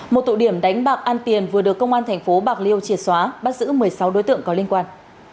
một tụ điểm đánh bạc an tiền vừa được công an thành phố bạc liêu triệt xóa bắt giữ một mươi sáu đối tượng có liên quan